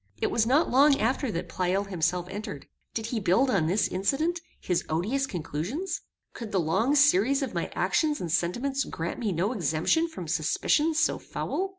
It was not long after that Pleyel himself entered. Did he build on this incident, his odious conclusions? Could the long series of my actions and sentiments grant me no exemption from suspicions so foul?